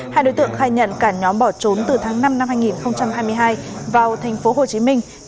hai đối tượng khai nhận cả nhóm bỏ trốn từ tháng năm năm hai nghìn hai mươi hai vào thành phố hồ chí minh